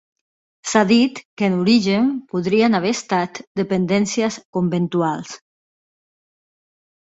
S'ha dit que en origen podrien haver estat dependències conventuals.